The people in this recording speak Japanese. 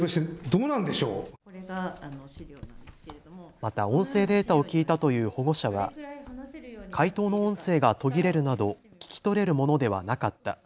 また音声データを聞いたという保護者は解答の音声が途切れるなど聞き取れるものではなかった。